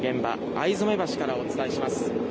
逢初橋からお伝えします。